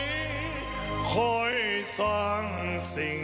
ผมเกิดเยินทางมากี่คน